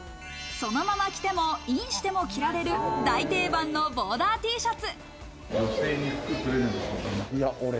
そのまま着てもインしても着られる、大定番のボーダーＴシャツ。